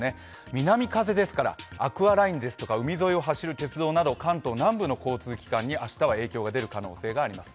南風ですから、アクアラインですとか海沿いを走る鉄道など関東南部の交通機関に明日は影響が出る可能性があります。